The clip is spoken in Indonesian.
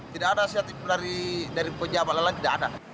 tidak ada asiatif dari penjabat lelah tidak ada